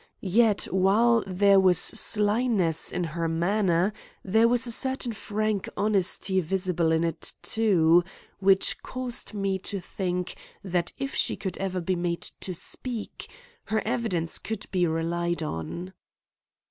Yet, while there was slyness in her manner, there was a certain frank honesty visible in it too, which caused me to think that if she could ever be made to speak, her evidence could be relied on.